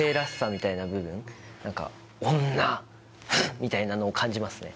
みたいなのを感じますね